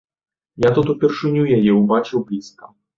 Я тут упершыню яе ўбачыў блізка.